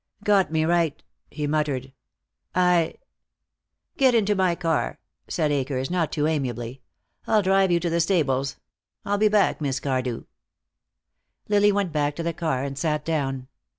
"Got me right," he muttered. "I " "Get into my car," said Akers, not too amiably. "I'll drive you to the stables. I'll be back, Miss Cardew." Lily went back to the car and sat down.